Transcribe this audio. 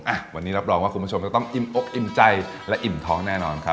อ่ะวันนี้รับรองว่าคุณผู้ชมจะต้องอิ่มอกอิ่มใจและอิ่มท้องแน่นอนครับ